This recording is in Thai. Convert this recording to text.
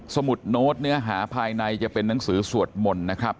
สมุดโน้ตเนื้อหาภายในจะเป็นหนังสือสวดมนต์นะครับ